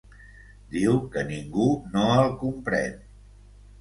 Diu que ningú no el comprèn.